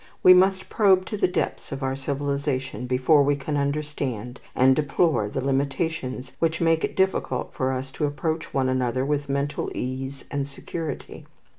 We must probe to the depths of our civilization before we can understand and deplore the limitations which make it difficult for us to approach one another with mental ease and security.